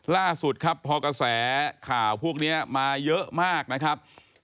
ล่าสุดครับพอกระแสข่าวพวกนี้มาเยอะมากนะครับ